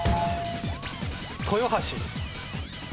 豊橋。